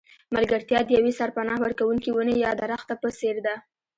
ملګرتیا د یوې سرپناه ورکوونکې ونې یا درخته په څېر ده.